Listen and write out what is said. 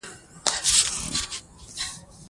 دا پروژه ملي ده.